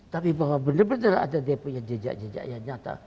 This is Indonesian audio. tapi kalau benar benar ada dia punya jejak jejaknya nyata